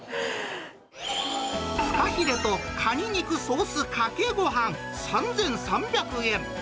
フカヒレと蟹肉ソースかけご飯３３００円。